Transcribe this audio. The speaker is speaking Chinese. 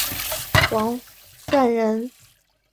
王篆人。